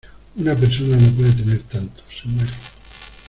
una persona no puede tener tanto, se muere.